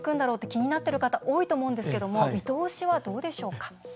気になってる方多いと思うんですけど見通しはどうでしょうか？